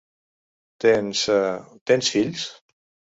Tens... tens fills?